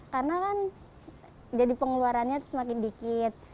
karena kan jadi pengeluarannya semakin dikit